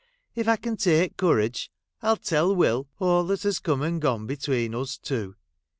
' If I can take courage, I '11 tell Will all that has come and gone between us two.